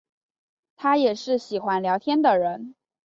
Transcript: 她也是喜欢聊天的人